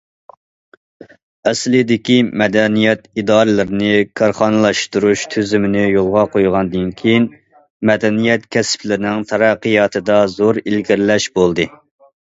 ئەسلىدىكى مەدەنىيەت ئىدارىلىرىنى كارخانىلاشتۇرۇش تۈزۈمىنى يولغا قويغاندىن كېيىن، مەدەنىيەت كەسىپلىرىنىڭ تەرەققىياتىدا زور ئىلگىرىلەش بولدى.